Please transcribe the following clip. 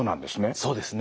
そうですね。